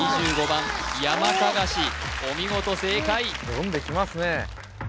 ２５番ヤマカガシお見事正解読んできますね